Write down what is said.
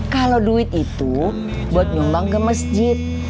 kalau duit itu buat nyumbang ke masjid